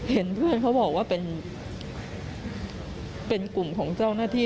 เห็นเพื่อนเขาบอกว่าเป็นกลุ่มของเจ้าหน้าที่